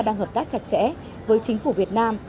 đang hợp tác chặt chẽ với chính phủ việt nam